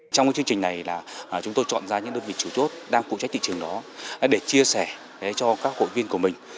trong chương trình này chúng tôi chọn ra những đơn vị chủ chốt đang phụ trách thị trường đó để chia sẻ cho các hội viên của mình